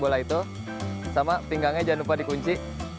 bola itu sama pinggangnya jangan lupa dikunci